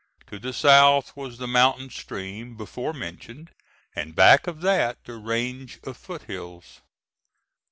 To the south was the mountain stream before mentioned, and back of that the range of foot hills.